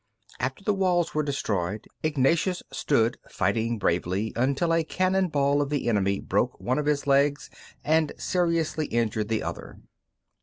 After the walls were destroyed, Ignatius stood fighting bravely until a cannon ball of the enemy broke one of his legs and seriously injured the other.